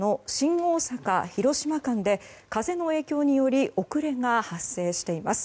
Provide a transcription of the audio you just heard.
大阪広島間で風の影響により遅れが発生しています。